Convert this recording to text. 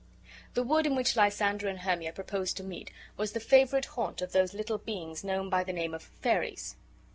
The wood in which Lysander and Hermia proposed to meet was the favorite haunt of those little beings known by the name of "fairies."